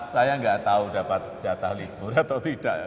saya nggak tahu dapat jatah libur atau tidak